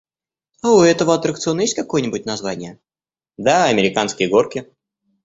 «А у этого аттракциона есть какое-нибудь название?» — «Да, американские горки».